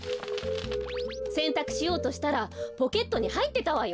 せんたくしようとしたらポケットにはいってたわよ。